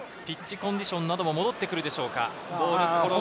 ピッチコンディションなども戻ってくるでしょうか。